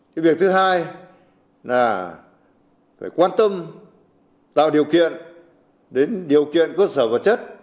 cái việc thứ hai là phải quan tâm tạo điều kiện đến điều kiện cơ sở vật chất